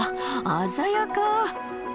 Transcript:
鮮やか！